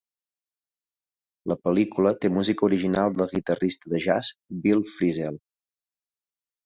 La pel·lícula té música original del guitarrista de jazz Bill Frisell.